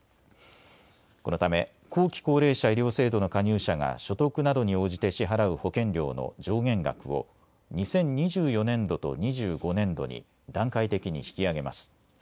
このため後期高齢者医療制度の加入者が所得などに応じて支払う保険料の上限額を２０２４年度と２５年度に段階的に引き上げます。